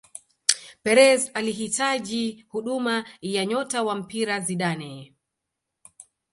Perez alihitaji huduma ya nyota wa mpira Zidane